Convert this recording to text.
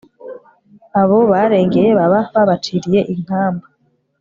abo barengeye baba babaciriye inkamba